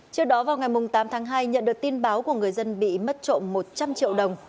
trước đó vào ngày tám tháng hai nhận được tin báo của người dân bị mất trộm một trăm linh triệu đồng